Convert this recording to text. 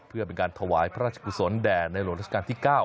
เพื่อเป็นการถวายพระราชกุศลแด่ในหลวงราชการที่๙